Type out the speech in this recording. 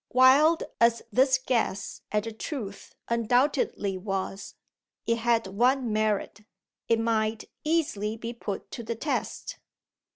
Wild as this guess at the truth undoubtedly was, it had one merit: it might easily be put to the test.